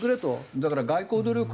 だから外交努力